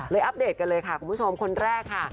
อัปเดตกันเลยค่ะคุณผู้ชมคนแรกค่ะ